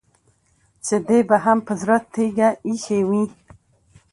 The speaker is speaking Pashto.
چې دې به هم په زړه تيږه اېښې وي.